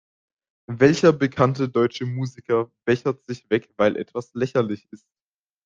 Welcher bekannte deutsche Musiker bechert sich weg, weil etwas lächerlich ist?